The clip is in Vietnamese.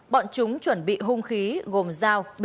bọn chúng chuẩn bị hung khí gồm dao